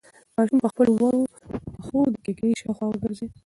ماشوم په خپلو وړو پښو د کيږدۍ شاوخوا وګرځېد.